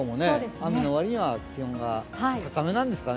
雨の割には気温高めなんですかね。